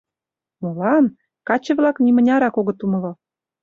— Молан? — каче-влак нимынярак огыт умыло.